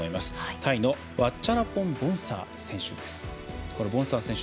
タイのワッチャラポン・ボンサー選手。